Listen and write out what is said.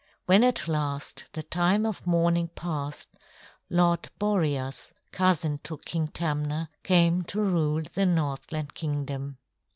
When at last the time of mourning passed, Lord Boreas, cousin to King Tamna, came to rule the Northland Kingdom.